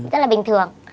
rất là bình thường